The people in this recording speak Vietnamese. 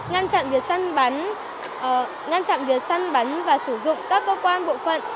ngăn chặn việc săn bắn và sử dụng các cơ quan bộ phận